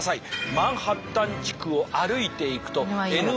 マンハッタン地区を歩いていくとＮＹＵの旗。